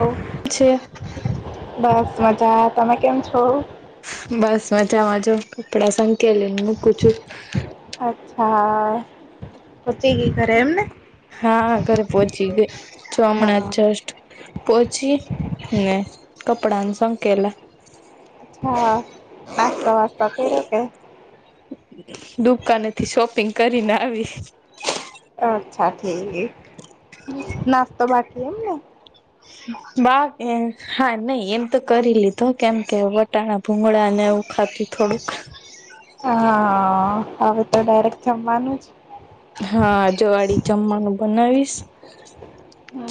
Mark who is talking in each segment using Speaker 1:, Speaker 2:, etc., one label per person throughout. Speaker 1: ઓ.
Speaker 2: પ છે.
Speaker 1: બસ મજા તમે કેમ છો?
Speaker 2: બસ મજામાં જો કપડા સંકેલી ને મૂકું છું.
Speaker 1: અચ્છા પોહછી ગે ઘરે એમને
Speaker 2: હા ઘરે પહોંચી ગય ચો હમણા
Speaker 1: હા
Speaker 2: જસ્ટ પહોંચી ને કપડાને સંકેલા.
Speaker 1: હા. નાસ્તો વાસ્તો કર્યો કે
Speaker 2: દુકાને થી શોપિંગ કરીને આવી.
Speaker 1: અચ્છા ઠીક નાસ્તો બાકી એમને.
Speaker 2: બાક હા નઈ એમ તો કરી લીધો કેમ કે તાના ભૂગળા ને એવું ખાધતી થોડુંક
Speaker 1: હા હવે તો ડાયરેક્ટ જમવાનું જ
Speaker 2: હા જવાળી જમવાનું બનાવીશ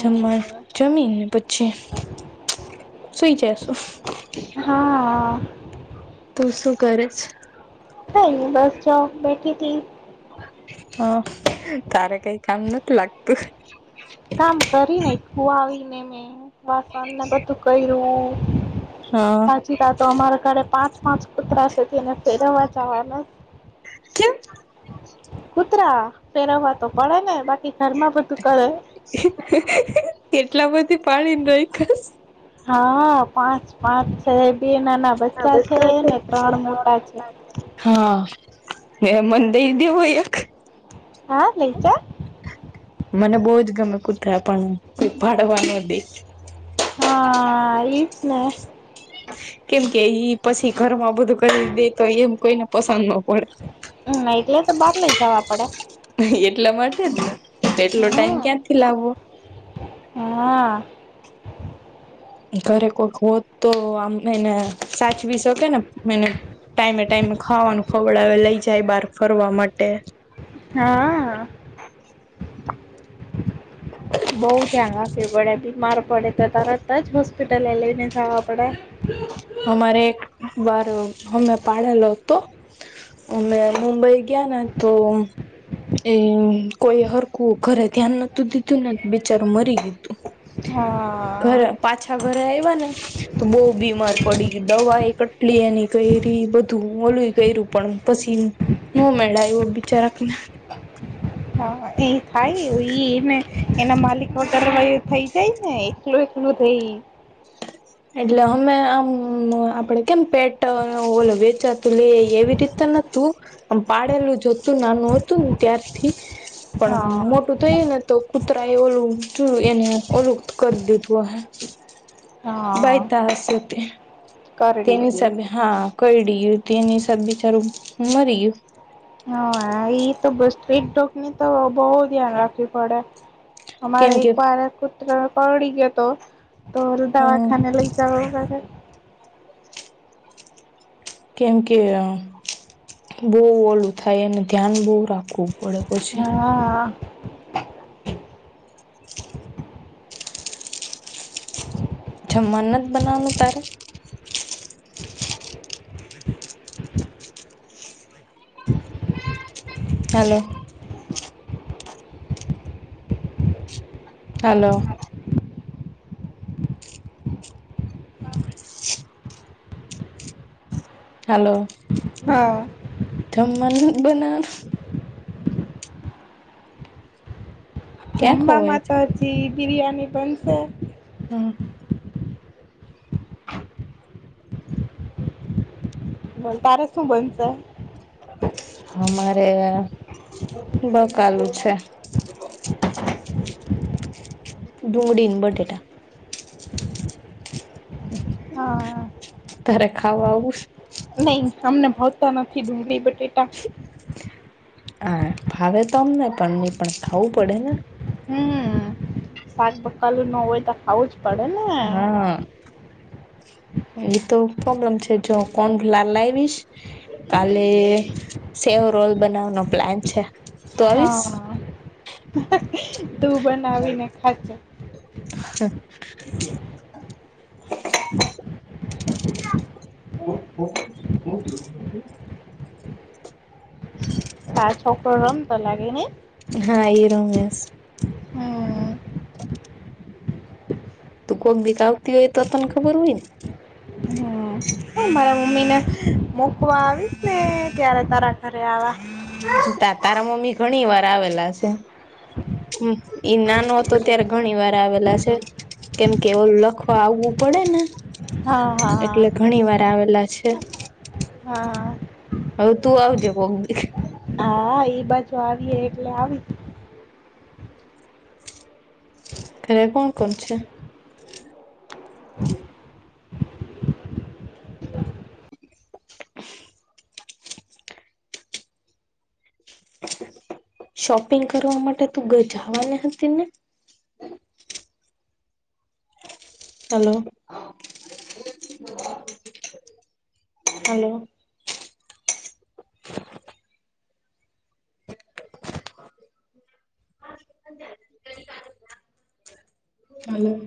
Speaker 2: જમા ન જમીને પછી સુઈ જશુ.
Speaker 1: હા.
Speaker 2: તું શું કર છે.
Speaker 1: કાઇ ની બસ જો બેઠી હતીથી.
Speaker 2: હ તારે કઈ કામ નથી લાગતું.
Speaker 1: કામ કરીનેું હુઆવીને મેં વાસણ ને બધું કર્યું.
Speaker 2: હા
Speaker 1: સાચી ત તો અમારા ઘરે પાંચ પાંચ કુતરા છે તેને ફેરવવા જવાનો
Speaker 2: કેમ
Speaker 1: કૂતરા ફેરવા તો પડે ને બાકી ઘરમાં બધું કરે
Speaker 2: એટલા બધી પાડીને રાય ખાસ
Speaker 1: હા પાંચ પાંચ છે બે નાના બચ્ચા છે ને ત્રણ મોટા છે
Speaker 2: હા મે મન દઈ દે હો એક
Speaker 1: હા લય જાઓ
Speaker 2: મને બહુજ ગમે કુતરા પણ પાડવાનો દે
Speaker 1: હા એ જ ને
Speaker 2: કેમ કે ઈ પછી ઘરમાં બધું કરી દે તો એમ કોઈને પસંદ નો
Speaker 1: હમ્મ એટલે તો બહાર લઈ જવા પડે
Speaker 2: એટલા માટે જને એટલો ટાઈમ
Speaker 1: હમ
Speaker 2: ક્યાંથી લાવવો
Speaker 1: હા
Speaker 2: ઘરે કોઈક હોત તો આમ એને સાચવી શકે ને મને ટાઈમે ટાઈમે ખાવાનું ખવડાવે લઈ જાય બહાર ફરવા માટે
Speaker 1: હા બઉ ત્યા આપે [unintelligible] પડે તો તરત જ હોસ્પિટલ લઈને જવા પડે
Speaker 2: અમારે એક વાર અમે પાડેલો હતો અમે મુંબઈ ગયા ને તો એ કોઈ હરકું ઘરે ધ્યાન નતું દીધું ને બિચારું મરી દીધું
Speaker 1: હા
Speaker 2: ઘરે પાછા ઘરે આવ્યા ને તો બહુ બીમાર પડી દવા એ કટલી એની કેટલી કયરી બધું ઓલું કર્યું પણ પછી [unintelligible] બિચારક ના
Speaker 1: હા એ થાય ને એ ના માલિક વગેરે થઈ જાય ને એકલો એકલો થઈ
Speaker 2: એટલે અમે આમ આપડે કેમ પેટ ઓલો વેચાતું લઈ આય એવી રીતે પાડેલું જ હતું નાનું હતું ને ત્યારથી પણ
Speaker 1: હા
Speaker 2: મોટું તો એ ને તો કૂતરા એ ઓલું જોયું એને ઓલું કરી દીધું હોયે
Speaker 1: હા
Speaker 2: બાઇટ આયપુ હશે
Speaker 1: કરડી
Speaker 2: તેની
Speaker 1: ગયું.
Speaker 2: હિસાબે હા કરડી ગિયું તેની હિસાબે બચારું મરી ગયું
Speaker 1: હા એ તો બસ સ્ટિક ડોગ ની તો બહ ધ્યાન રાખવી પડે અમારે
Speaker 2: કેમ કે
Speaker 1: એક વાર કુત્રરા કરડી ગયો તો તો
Speaker 2: હમ
Speaker 1: દવાખાને લઈ [unintelligible]
Speaker 2: કેમ કે બહુ ઓલું થાય એને ધ્યાન બહુ રાખવું પડે પછી
Speaker 1: હા
Speaker 2: જમવા નુ નત બના વુ તારે હલો હાલો [inaudible] હલો.
Speaker 1: હા.
Speaker 2: જમવાનું બનાવાનું ક્યાં ખોવાય
Speaker 1: જમવાવામાં
Speaker 2: છે
Speaker 1: તો હજી બિરિયાની બનશે
Speaker 2: હમ્મ
Speaker 1: તારે શું બનશે
Speaker 2: અમારે બકાલુ છે ડુંગડી ને બટાકા
Speaker 1: હા
Speaker 2: તારે ખાવા આવુંશ
Speaker 1: નહી અમને ભાવતા નથી ડુંગળી બટેટા
Speaker 2: હા ફાવે તો અમને પણ એને પણ ખાવું પડે ને.
Speaker 1: હમ શાકપકલું ન હોય તો ખાવું જ પડે ને
Speaker 2: હા.
Speaker 1: [inaudible]
Speaker 2: એતો પ્રોબ્લેમ છે જો કોણ લાલ [unintelligible] કાલે સેવ રોલ બનાવવાનો પ્લાન છે. તું આવીશ
Speaker 1: હા તું બનાવીને ખાજે.
Speaker 2: [inaudible]
Speaker 1: [inaudible]
Speaker 2: [inaudible]
Speaker 1: આ છોકરો રમતો લાગે ને.
Speaker 2: હા એ રમે
Speaker 1: હમ.
Speaker 2: તું કોક દીક આવતી હોય તો તને ખબર હોય ને.
Speaker 1: હ મારા મમ્મી ને મોકવા આવીશ ને ત્યારે તારા ઘરે આવ
Speaker 2: તા તારા મમ્મી ઘણી વાર આવેલા છે. હ ઈ નાનો તો ત્યારે ઘણી વાર આવેલા છે. કેમ કે એવ લખવા આવવું પડે ને
Speaker 1: હા, હા, હા.
Speaker 2: એટલે ઘણી વાર આવેલા છે.
Speaker 1: હા હા.
Speaker 2: હવે તું આવજે કોક [unintelligible]
Speaker 1: હા એઈ બાજુ આવી એકલે આવીશ.
Speaker 2: ઘરે કોણ કોણ છે? [inaudible] શોપિંગ કરવા માટે તું ગ જવાની હતી ને? Hello, hello. હલો.